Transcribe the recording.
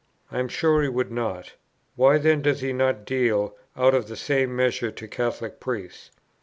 I am sure he would not. Why then does he not deal out the same measure to Catholic priests?